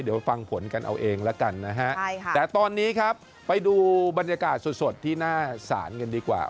เดี๋ยวฟังผลกันเอาเองแล้วกันนะฮะแต่ตอนนี้ครับไปดูบรรยากาศสดที่หน้าศาลกันดีกว่า